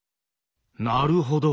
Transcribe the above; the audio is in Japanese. なるほど。